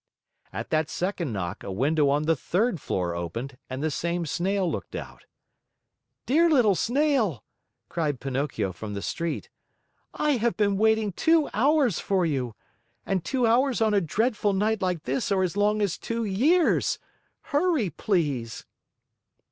At that second knock, a window on the third floor opened and the same Snail looked out. "Dear little Snail," cried Pinocchio from the street. "I have been waiting two hours for you! And two hours on a dreadful night like this are as long as two years. Hurry, please!"